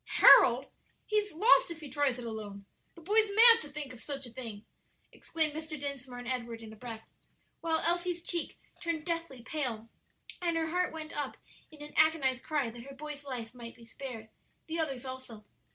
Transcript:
"Harold? He's lost if he tries it alone!" "The boy's mad to think of such a thing!" exclaimed Mr. Dinsmore and Edward in a breath, while Elsie's cheek turned deathly pale, and her heart went up in an agonized cry that her boy's life might be spared; the others also.